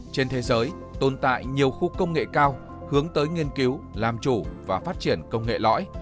trên thế giới tồn tại nhiều khu công nghệ cao hướng tới nghiên cứu làm chủ và phát triển công nghệ lõi